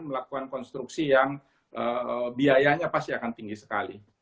melakukan konstruksi yang biayanya pasti akan tinggi sekali